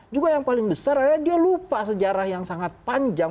juga yang paling besar adalah dia lupa sejarah yang sangat panjang